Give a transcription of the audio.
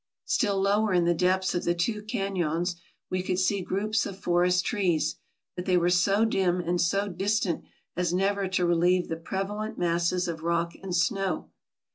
Still 112 TRAVELERS AND EXPLORERS lower in the depths of the two canons we could see groups of forest trees ; but they were so dim and so distant as never to relieve the prevalent masses of rock and snow.